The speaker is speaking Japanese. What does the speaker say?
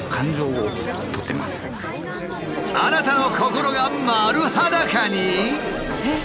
あなたの心が丸裸に？